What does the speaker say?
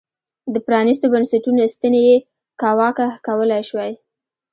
د پرانیستو بنسټونو ستنې یې کاواکه کولای شوای.